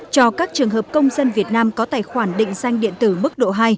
cho các trường hợp công dân việt nam có tài khoản định danh điện tử mức độ hai